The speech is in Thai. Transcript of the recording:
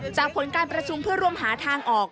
ผลการประชุมเพื่อร่วมหาทางออก